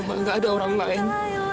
makanya gak ada orang lain